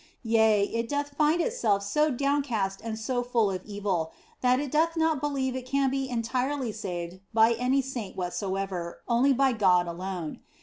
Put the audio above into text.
Yea, it doth find itself so downcast and so full of evil that it doth not believe it can be entirely saved by any saint whatsoever, only by God alone.